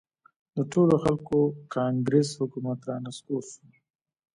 د ټولو خلکو کانګرس حکومت را نسکور شو.